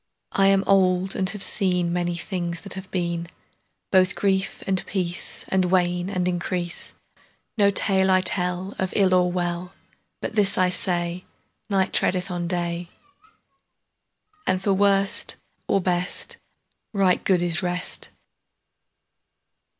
I am old and have seen Many things that have been; Both grief and peace And wane and increase. No tale I tell Of ill or well, But this I say: Night treadeth on day, And for worst or best Right good is rest.